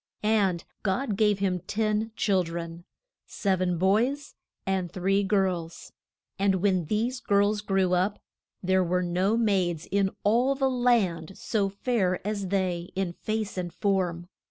And God gave him ten chil dren: sev en boys and three girls. And when these girls grew up, there were no maids in all the land so fair as they in face and form.